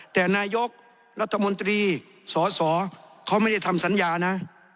แต่นายกรัฐมนตรีสสเขาไม่ได้ทำสัญญานะ